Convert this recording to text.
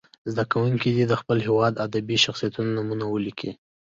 زده کوونکي دې د خپل هېواد د ادبي شخصیتونو نومونه ولیکي.